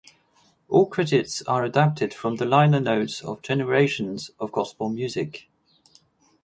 All credits are adapted from the liner notes of "Generations (Of Gospel Music)".